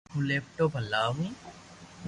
ھون ليپ ٽاپ ھلاو